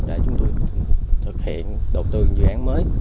để chúng tôi thực hiện đầu tư dự án mới